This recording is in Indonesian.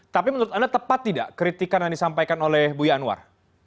tidak ada lagi tempat tidak kritikan yang disampaikan oleh buya anwar